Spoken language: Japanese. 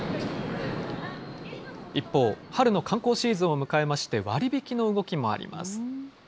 一方、春の観光シーズンを迎えまして、割引の動きもあります。